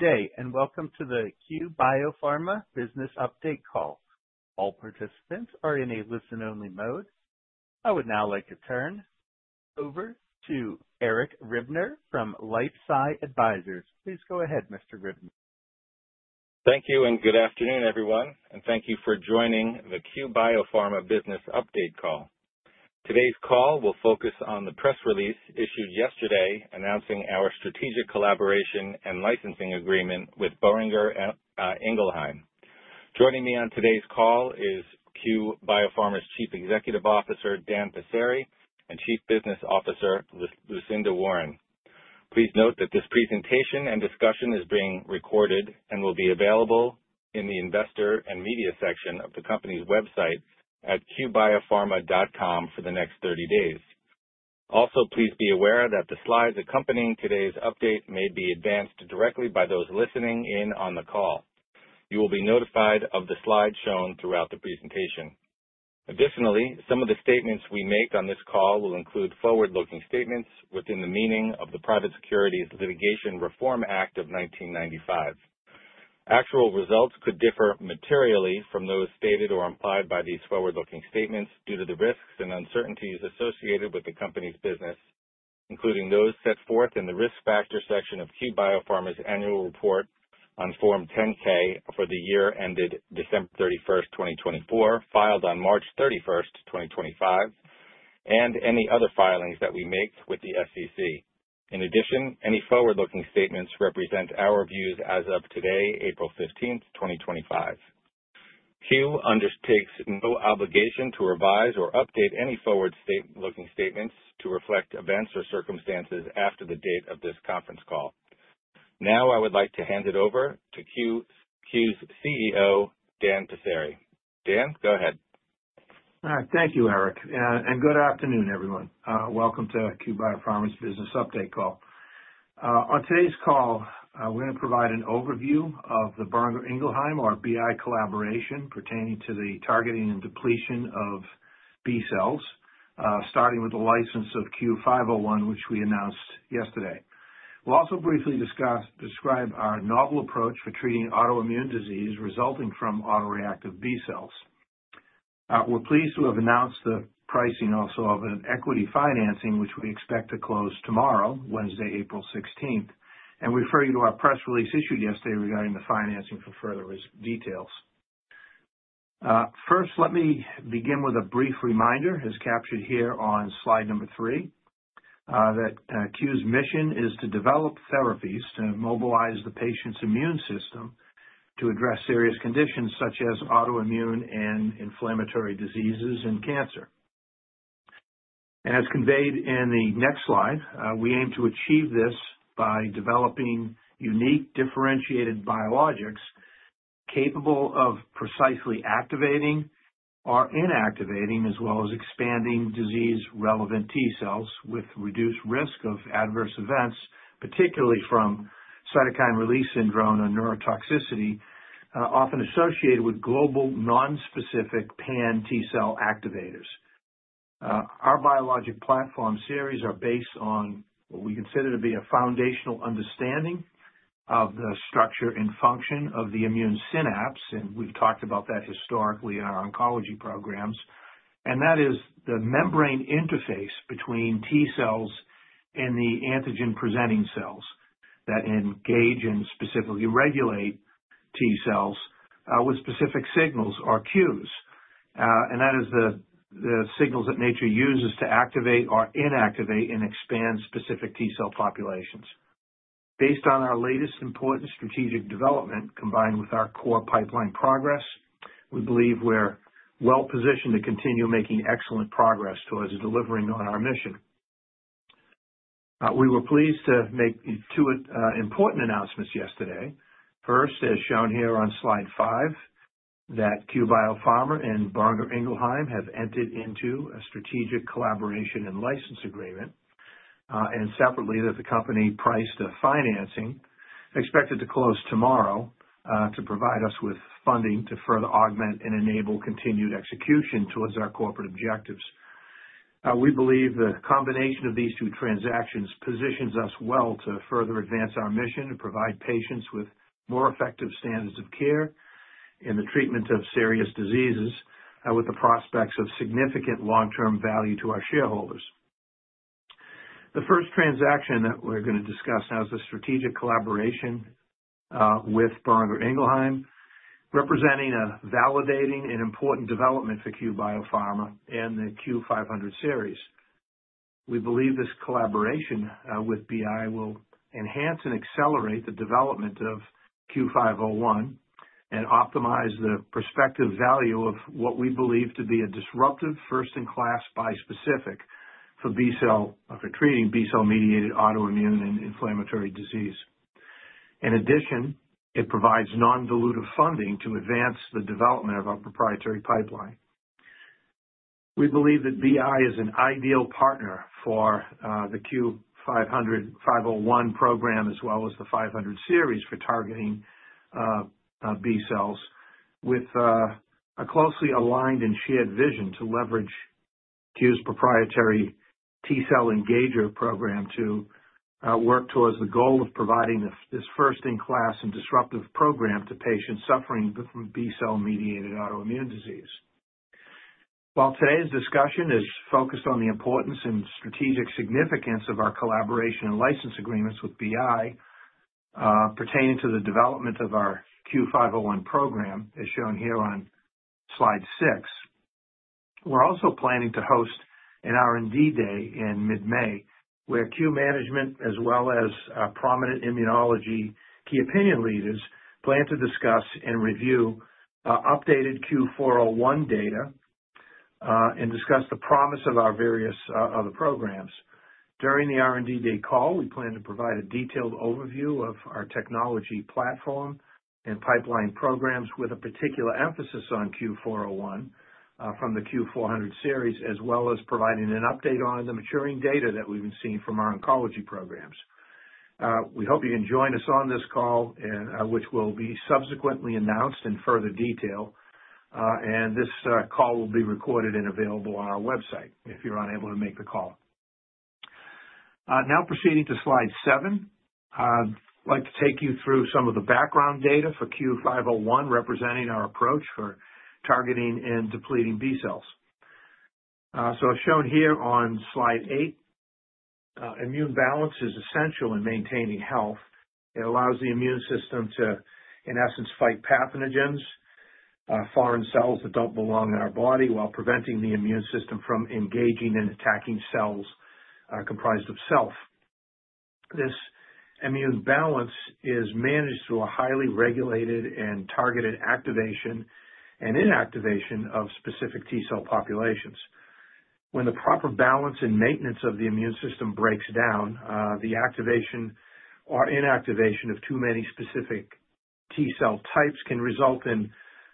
Good day, and welcome to the Cue Biopharma Business Update call. All participants are in a listen-only mode. I would now like to turn over to Eric Ribner from LifeSci Advisors. Please go ahead, Mr. Ribner. Thank you, and good afternoon, everyone. Thank you for joining the Cue Biopharma Business Update call. Today's call will focus on the press release issued yesterday announcing our strategic collaboration and licensing agreement with Boehringer Ingelheim. Joining me on today's call is Cue Biopharma's Chief Executive Officer, Dan Passeri, and Chief Business Officer, Lucinda Warren. Please note that this presentation and discussion is being recorded and will be available in the investor and media section of the company's website at cuebiopharma.com for the next 30 days. Also, please be aware that the slides accompanying today's update may be advanced directly by those listening in on the call. You will be notified of the slides shown throughout the presentation. Additionally, some of the statements we make on this call will include forward-looking statements within the meaning of the Private Securities Litigation Reform Act of 1995. Actual results could differ materially from those stated or implied by these forward-looking statements due to the risks and uncertainties associated with the company's business, including those set forth in the risk factor section of Cue Biopharma's annual report on Form 10-K for the year ended December 31st 2024, filed on March 31st 2025, and any other filings that we make with the SEC. In addition, any forward-looking statements represent our views as of today, April 15th 2025. Cue undertakes no obligation to revise or update any forward-looking statements to reflect events or circumstances after the date of this conference call. Now, I would like to hand it over to Cue's CEO, Dan Passeri. Dan, go ahead. Thank you, Eric. Good afternoon, everyone. Welcome to Cue Biopharma's Business Update call. On today's call, we're going to provide an overview of the Boehringer Ingelheim, our BI collaboration pertaining to the targeting and depletion of B cells, starting with the license of Cue-501, which we announced yesterday. We'll also briefly describe our novel approach for treating autoimmune disease resulting from autoreactive B cells. We're pleased to have announced the pricing also of an equity financing, which we expect to close tomorrow, Wednesday, April 16, and refer you to our press release issued yesterday regarding the financing for further details. First, let me begin with a brief reminder, as captured here on slide number three, that Cue's mission is to develop therapies to mobilize the patient's immune system to address serious conditions such as autoimmune and inflammatory diseases and cancer. As conveyed in the next slide, we aim to achieve this by developing unique, differentiated biologics capable of precisely activating or inactivating, as well as expanding disease-relevant T cells with reduced risk of adverse events, particularly from cytokine release syndrome and neurotoxicity, often associated with global nonspecific pan-T cell activators. Our biologic platform series are based on what we consider to be a foundational understanding of the structure and function of the immune synapse, and we've talked about that historically in our oncology programs, and that is the membrane interface between T cells and the antigen-presenting cells that engage and specifically regulate T cells with specific signals or cues. That is the signals that nature uses to activate or inactivate and expand specific T cell populations. Based on our latest important strategic development combined with our core pipeline progress, we believe we're well-positioned to continue making excellent progress towards delivering on our mission. We were pleased to make two important announcements yesterday. First, as shown here on slide five, that Cue Biopharma and Boehringer Ingelheim have entered into a strategic collaboration and license agreement, and separately, that the company priced a financing expected to close tomorrow to provide us with funding to further augment and enable continued execution towards our corporate objectives. We believe the combination of these two transactions positions us well to further advance our mission and provide patients with more effective standards of care in the treatment of serious diseases with the prospects of significant long-term value to our shareholders. The first transaction that we're going to discuss now is the strategic collaboration with Boehringer Ingelheim, representing a validating and important development for Cue Biopharma and the Cue-500 series. We believe this collaboration with BI will enhance and accelerate the development of Cue-501 and optimize the prospective value of what we believe to be a disruptive first-in-class bispecific for treating B cell-mediated autoimmune and inflammatory disease. In addition, it provides non-dilutive funding to advance the development of our proprietary pipeline. We believe that BI is an ideal partner for the Cue-501 program, as well as the 500 series for targeting B cells, with a closely aligned and shared vision to leverage Cue's proprietary T cell engager program to work towards the goal of providing this first-in-class and disruptive program to patients suffering from B cell-mediated autoimmune disease. While today's discussion is focused on the importance and strategic significance of our collaboration and license agreements with BI pertaining to the development of our Cue-501 program, as shown here on slide six, we're also planning to host an R&D day in mid-May where Cue management, as well as prominent immunology key opinion leaders, plan to discuss and review updated Cue-401 data and discuss the promise of our various other programs. During the R&D day call, we plan to provide a detailed overview of our technology platform and pipeline programs with a particular emphasis on Cue-401 from the Cue-400 series, as well as providing an update on the maturing data that we've been seeing from our oncology programs. We hope you can join us on this call, which will be subsequently announced in further detail, and this call will be recorded and available on our website if you're unable to make the call. Now, proceeding to slide seven, I'd like to take you through some of the background data for Cue-501 representing our approach for targeting and depleting B cells. As shown here on slide eight, immune balance is essential in maintaining health. It allows the immune system to, in essence, fight pathogens, foreign cells that don't belong in our body, while preventing the immune system from engaging and attacking cells comprised of self. This immune balance is managed through a highly regulated and targeted activation and inactivation of specific T cell populations. When the proper balance and maintenance of the immune system breaks down, the activation or inactivation of too many specific T cell types can result in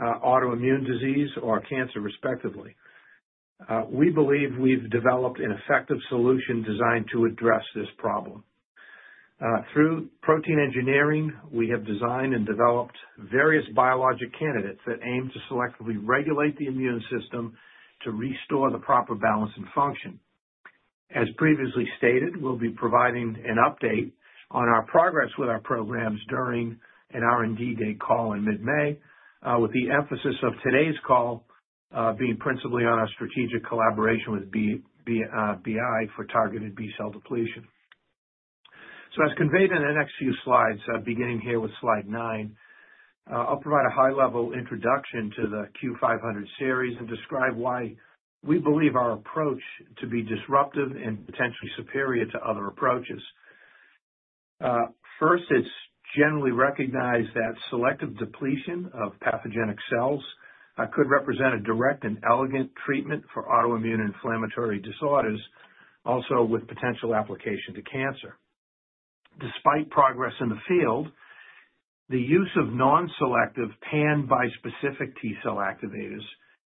autoimmune disease or cancer, respectively. We believe we've developed an effective solution designed to address this problem. Through protein engineering, we have designed and developed various biologic candidates that aim to selectively regulate the immune system to restore the proper balance and function. As previously stated, we'll be providing an update on our progress with our programs during an R&D day call in mid-May, with the emphasis of today's call being principally on our strategic collaboration with BI for targeted B cell depletion. As conveyed in the next few slides, beginning here with slide nine, I'll provide a high-level introduction to the Cue-500 series and describe why we believe our approach to be disruptive and potentially superior to other approaches. First, it's generally recognized that selective depletion of pathogenic cells could represent a direct and elegant treatment for autoimmune inflammatory disorders, also with potential application to cancer. Despite progress in the field, the use of non-selective pan-bispecific T cell activators,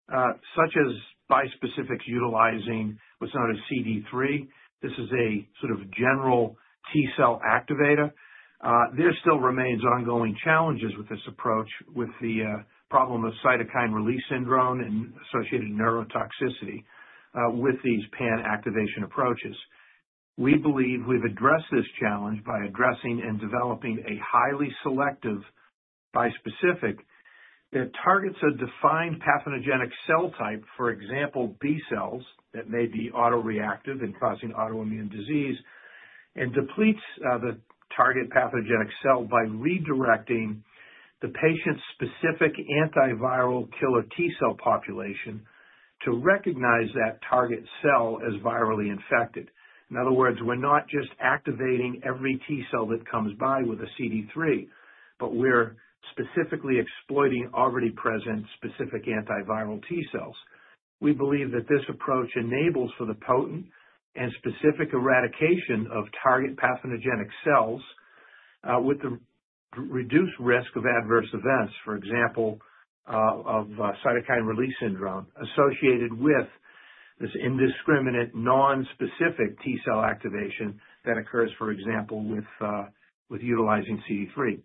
such as bispecifics utilizing what's known as CD3, this is a sort of general T cell activator, there still remains ongoing challenges with this approach with the problem of cytokine release syndrome and associated neurotoxicity with these pan-activation approaches. We believe we've addressed this challenge by addressing and developing a highly selective bispecific that targets a defined pathogenic cell type, for example, B cells that may be autoreactive and causing autoimmune disease, and depletes the target pathogenic cell by redirecting the patient-specific antiviral killer T cell population to recognize that target cell as virally infected. In other words, we're not just activating every T cell that comes by with a CD3, but we're specifically exploiting already present specific antiviral T cells. We believe that this approach enables for the potent and specific eradication of target pathogenic cells with the reduced risk of adverse events, for example, of cytokine release syndrome associated with this indiscriminate nonspecific T cell activation that occurs, for example, with utilizing CD3.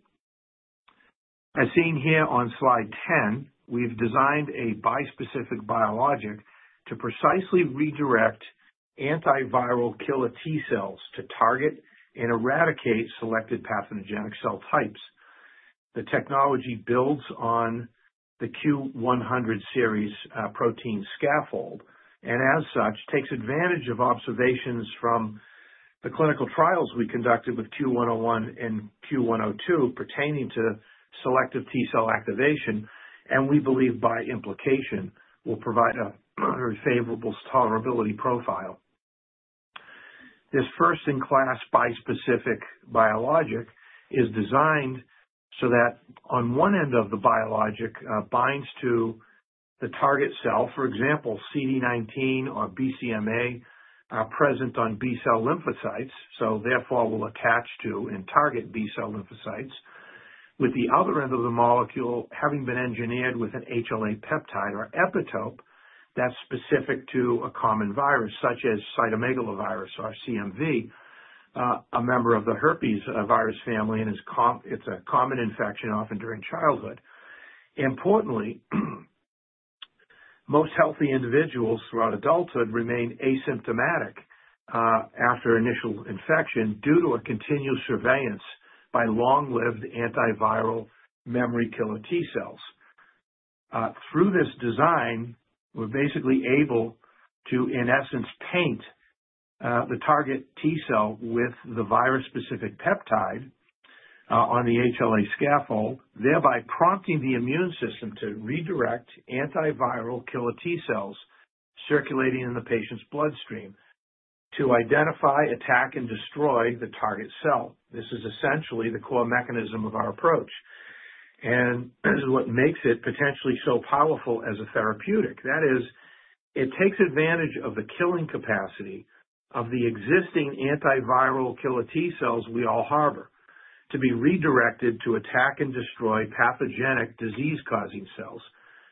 As seen here on slide 10, we've designed a bispecific biologic to precisely redirect antiviral killer T cells to target and eradicate selected pathogenic cell types. The technology builds on the Cue-100 series protein scaffold and, as such, takes advantage of observations from the clinical trials we conducted with Cue-101 and Cue-102 pertaining to selective T cell activation, and we believe by implication will provide a very favorable tolerability profile. This first-in-class bispecific biologic is designed so that on one end the biologic binds to the target cell, for example, CD19 or BCMA present on B cell lymphocytes, so therefore will attach to and target B cell lymphocytes, with the other end of the molecule having been engineered with an HLA peptide or epitope that's specific to a common virus such as cytomegalovirus or CMV, a member of the herpes virus family, and it's a common infection often during childhood. Importantly, most healthy individuals throughout adulthood remain asymptomatic after initial infection due to a continuous surveillance by long-lived antiviral memory killer T cells. Through this design, we're basically able to, in essence, paint the target T cell with the virus-specific peptide on the HLA scaffold, thereby prompting the immune system to redirect antiviral killer T cells circulating in the patient's bloodstream to identify, attack, and destroy the target cell. This is essentially the core mechanism of our approach, and this is what makes it potentially so powerful as a therapeutic. That is, it takes advantage of the killing capacity of the existing antiviral killer T cells we all harbor to be redirected to attack and destroy pathogenic disease-causing cells,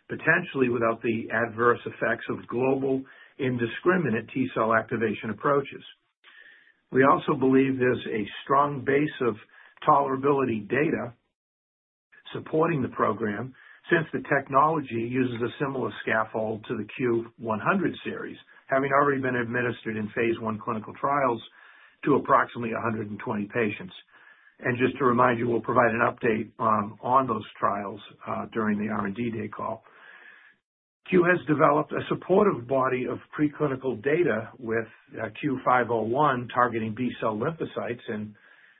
potentially without the adverse effects of global indiscriminate T cell activation approaches. We also believe there's a strong base of tolerability data supporting the program since the technology uses a similar scaffold to the Cue-100 series, having already been administered in phase I clinical trials to approximately 120 patients. Just to remind you, we'll provide an update on those trials during the R&D day call. Cue has developed a supportive body of preclinical data with Cue-501 targeting B cell lymphocytes, and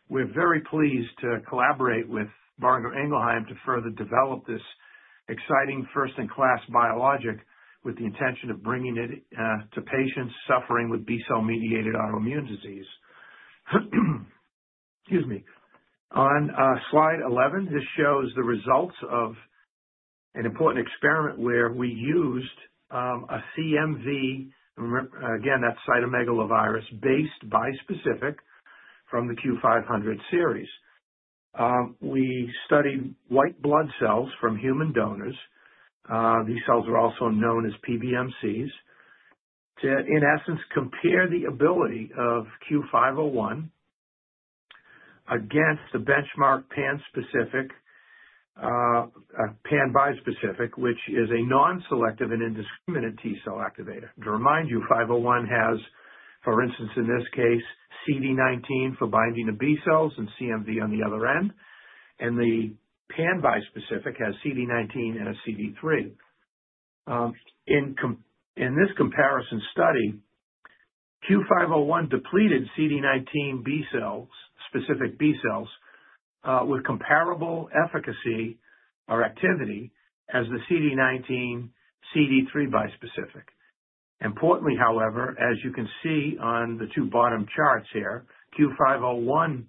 we're very pleased to collaborate with Boehringer Ingelheim to further develop this exciting first-in-class biologic with the intention of bringing it to patients suffering with B cell-mediated autoimmune disease. Excuse me. On slide 11, this shows the results of an important experiment where we used a CMV, again, that's cytomegalovirus, based bispecific from the Cue-500 series. We studied white blood cells from human donors. These cells are also known as PBMCs to, in essence, compare the ability of Cue-501 against the benchmark pan-specific, pan-bi-specific, which is a non-selective and indiscriminate T cell activator. To remind you, 501 has, for instance, in this case, CD19 for binding to B cells and CMV on the other end, and the pan-bi-specific has CD19 and a CD3. In this comparison study, Cue-501 depleted CD19 specific B cells with comparable efficacy or activity as the CD19 CD3 bispecific. Importantly, however, as you can see on the two bottom charts here, Cue-501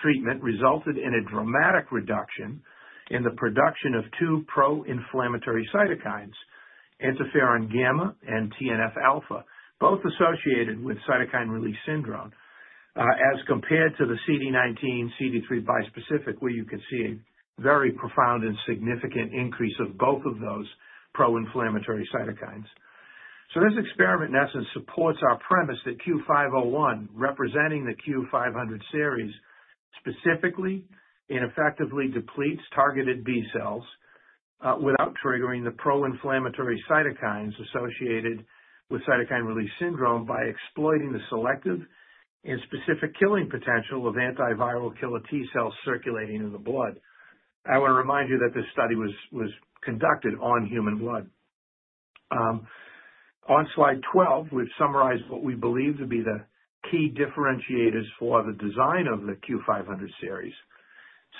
treatment resulted in a dramatic reduction in the production of two pro-inflammatory cytokines, interferon gamma and TNF alpha, both associated with cytokine release syndrome, as compared to the CD19 CD3 bispecific, where you can see a very profound and significant increase of both of those pro-inflammatory cytokines. This experiment, in essence, supports our premise that Cue-501, representing the Cue-500 series specifically, ineffectively depletes targeted B cells without triggering the pro-inflammatory cytokines associated with cytokine release syndrome by exploiting the selective and specific killing potential of antiviral killer T cells circulating in the blood. I want to remind you that this study was conducted on human blood. On slide 12, we've summarized what we believe to be the key differentiators for the design of the Cue-500 series: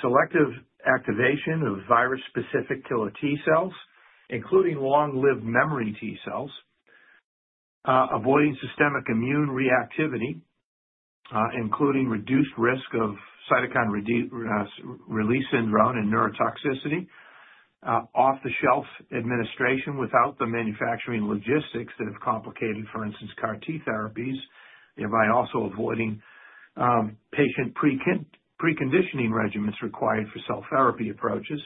selective activation of virus-specific killer T cells, including long-lived memory T cells, avoiding systemic immune reactivity, including reduced risk of cytokine release syndrome and neurotoxicity, off-the-shelf administration without the manufacturing logistics that have complicated, for instance, CAR T therapies, thereby also avoiding patient preconditioning regimens required for cell therapy approaches,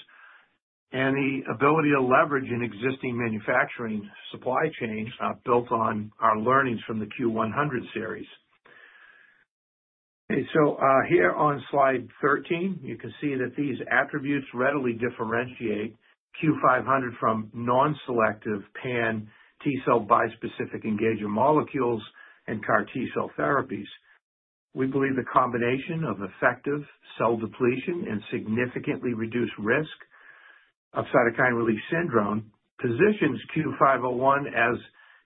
and the ability to leverage an existing manufacturing supply chain built on our learnings from the Cue-100 series. Okay. Here on slide 13, you can see that these attributes readily differentiate Cue-500 from non-selective pan-T cell bispecific engagement molecules and CAR T cell therapies. We believe the combination of effective cell depletion and significantly reduced risk of cytokine release syndrome positions Cue-501 as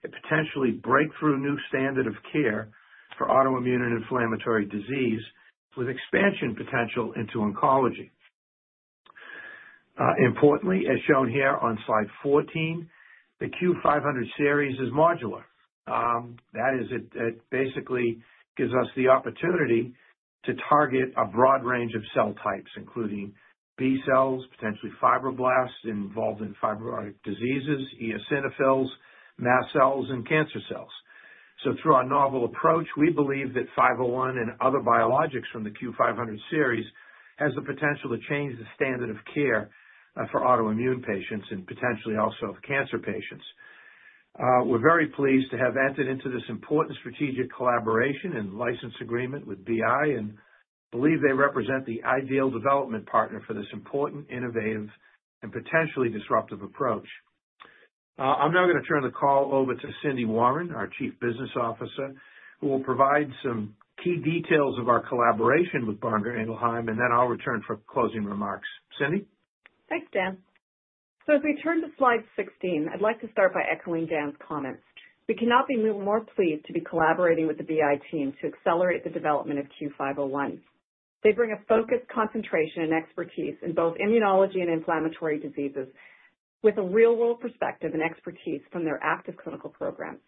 a potentially breakthrough new standard of care for autoimmune and inflammatory disease with expansion potential into oncology. Importantly, as shown here on slide 14, the Cue-500 series is modular. That is, it basically gives us the opportunity to target a broad range of cell types, including B cells, potentially fibroblasts involved in fibrotic diseases, eosinophils, mast cells, and cancer cells. Through our novel approach, we believe that 501 and other biologics from the Cue-500 series have the potential to change the standard of care for autoimmune patients and potentially also of cancer patients. We're very pleased to have entered into this important strategic collaboration and license agreement with BI, and believe they represent the ideal development partner for this important, innovative, and potentially disruptive approach. I'm now going to turn the call over to Cindy Warren, our Chief Business Officer, who will provide some key details of our collaboration with Boehringer Ingelheim, and then I'll return for closing remarks. Cindy? Thanks, Dan. As we turn to slide 16, I'd like to start by echoing Dan's comments. We cannot be more pleased to be collaborating with the BI team to accelerate the development of Cue-501. They bring a focused concentration and expertise in both immunology and inflammatory diseases with a real-world perspective and expertise from their active clinical programs.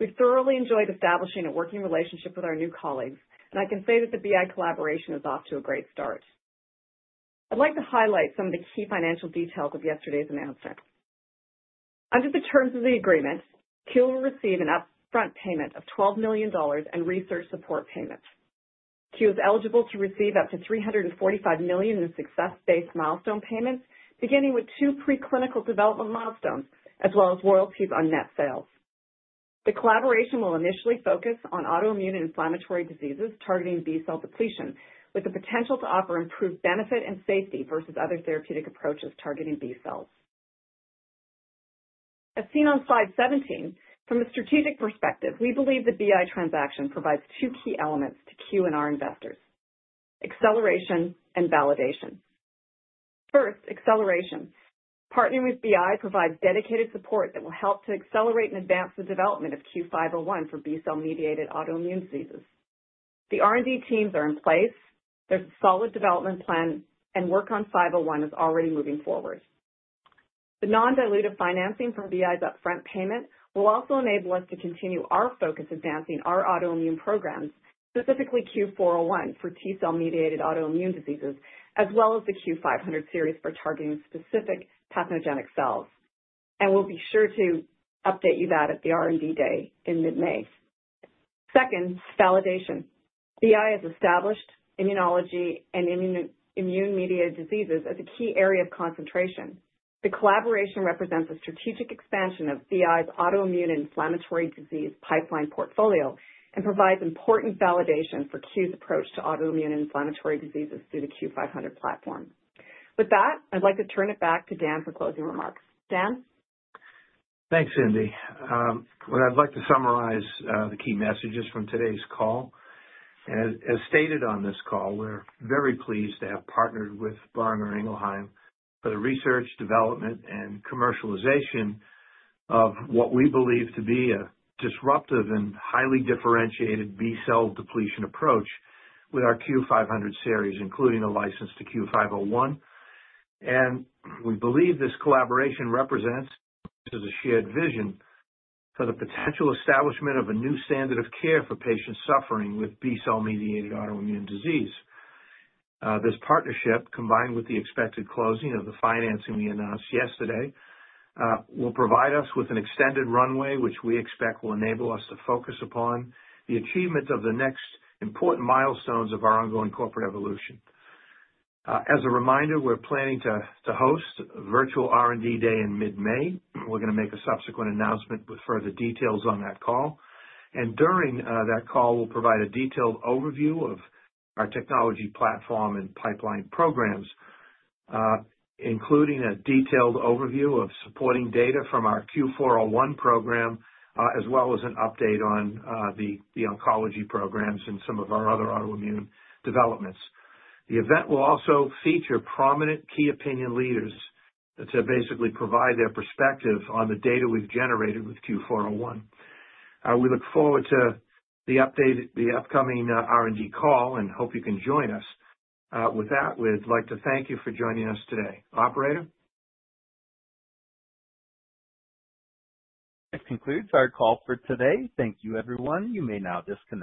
We've thoroughly enjoyed establishing a working relationship with our new colleagues, and I can say that the BI collaboration is off to a great start. I'd like to highlight some of the key financial details of yesterday's announcement. Under the terms of the agreement, Cue will receive an upfront payment of $12 million and research support payments. Cue is eligible to receive up to $345 million in success-based milestone payments, beginning with two preclinical development milestones, as well as royalties on net sales. The collaboration will initially focus on autoimmune and inflammatory diseases targeting B cell depletion, with the potential to offer improved benefit and safety versus other therapeutic approaches targeting B cells. As seen on slide 17, from a strategic perspective, we believe the BI transaction provides two key elements to Cue and our investors: acceleration and validation. First, acceleration. Partnering with BI provides dedicated support that will help to accelerate and advance the development of Cue-501 for B cell-mediated autoimmune diseases. The R&D teams are in place. There's a solid development plan, and work on 501 is already moving forward. The non-dilutive financing from BI's upfront payment will also enable us to continue our focus advancing our autoimmune programs, specifically Cue-401 for T cell-mediated autoimmune diseases, as well as the Cue-500 series for targeting specific pathogenic cells. We'll be sure to update you on that at the R&D day in mid-May. Second, validation. BI has established immunology and immune-mediated diseases as a key area of concentration. The collaboration represents a strategic expansion of BI's autoimmune and inflammatory disease pipeline portfolio and provides important validation for Cue's approach to autoimmune and inflammatory diseases through the Cue-500 platform. With that, I'd like to turn it back to Dan for closing remarks. Dan? Thanks, Cindy. I’d like to summarize the key messages from today’s call. As stated on this call, we’re very pleased to have partnered with Boehringer Ingelheim for the research, development, and commercialization of what we believe to be a disruptive and highly differentiated B cell depletion approach with our Cue-500 series, including a license to Cue-501. We believe this collaboration represents a shared vision for the potential establishment of a new standard of care for patients suffering with B cell-mediated autoimmune disease. This partnership, combined with the expected closing of the financing we announced yesterday, will provide us with an extended runway, which we expect will enable us to focus upon the achievement of the next important milestones of our ongoing corporate evolution. As a reminder, we’re planning to host a virtual R&D day in mid-May. We're going to make a subsequent announcement with further details on that call. During that call, we'll provide a detailed overview of our technology platform and pipeline programs, including a detailed overview of supporting data from our Cue-401 program, as well as an update on the oncology programs and some of our other autoimmune developments. The event will also feature prominent key opinion leaders to basically provide their perspective on the data we've generated with Cue 401. We look forward to the upcoming R&D call and hope you can join us. With that, we'd like to thank you for joining us today. Operator? That concludes our call for today. Thank you, everyone. You may now disconnect.